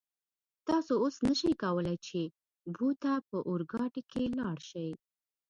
تاسو اوس نشئ کولای چې بو ته په اورګاډي کې لاړ شئ.